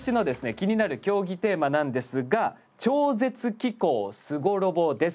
気になる競技テーマなんですが「超絶機巧・すごロボ」です。